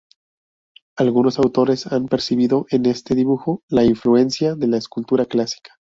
Algunos autores han percibido en este dibujo la influencia de la escultura clásica.